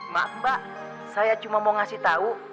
maaf mbak saya cuma mau ngasih tau